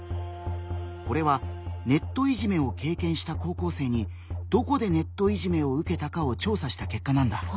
これはネットいじめを経験した高校生に「どこでネットいじめを受けたか」を調査した結果なんだ。